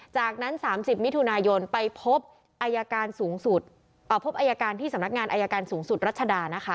จากนั้น๓๐มิถุนายนไปพบอายการสูงสุดพบอายการที่สำนักงานอายการสูงสุดรัชดานะคะ